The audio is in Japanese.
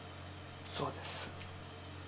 そうです。